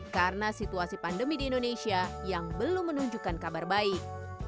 karena situasi pandemi di indonesia yang belum menunjukkan kabar baik